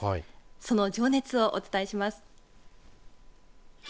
その情熱をお伝えします。